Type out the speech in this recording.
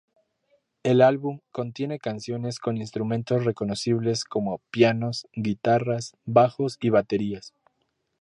El álbum contiene canciones con instrumentos reconocibles, como pianos, guitarras, bajos y baterías.